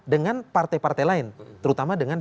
dengan partai partai lain terutama dengan